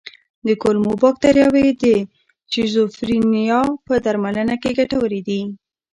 کولمو بکتریاوې د شیزوفرینیا په درملنه کې ګټورې دي.